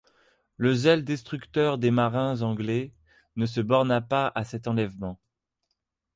Le zèle destructeur des marins anglais ne se borna pas à cet enlèvement.